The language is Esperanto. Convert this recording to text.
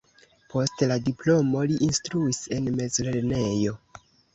Post la diplomo li instruis en mezlernejo.